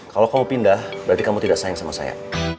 kalau kamu pindah berarti kamu tidak sayang sama saya